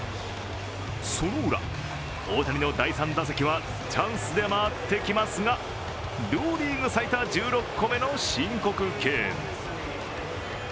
そのウラ、大谷の第３打席はチャンスで回ってきますが両リーグ最多１６個目の申告敬遠。